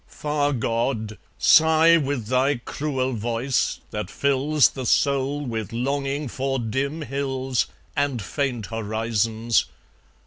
... Far God, Sigh with thy cruel voice, that fills The soul with longing for dim hills And faint horizons!